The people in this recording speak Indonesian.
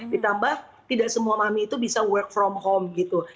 ditambah tidak semua mami itu bisa work from home gitu